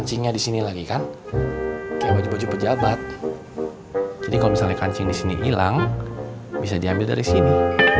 jadi kalau misalnya kancing di sini hilang bisa diambil dari sini